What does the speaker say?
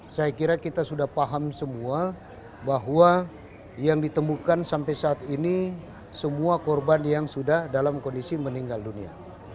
saya kira kita sudah paham semua bahwa yang ditemukan sampai saat ini semua korban yang sudah dalam kondisi meninggal dunia